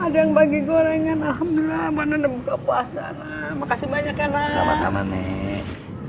ada yang bagi gorengan alhamdulillah mana nanti buka puasa makasih banyak karena sama sama nek